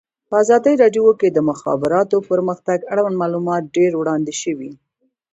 په ازادي راډیو کې د د مخابراتو پرمختګ اړوند معلومات ډېر وړاندې شوي.